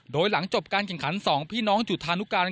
โดยหลังจบการแข่งขัน๒พี่น้องจุธานุการ